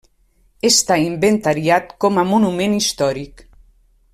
Està inventariat com a monument històric.